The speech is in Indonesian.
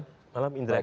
selamat malam indrek